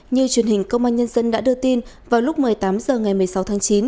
như truyền hình công an nhân dân đã đưa tin vào lúc một mươi tám h ngày một mươi sáu tháng chín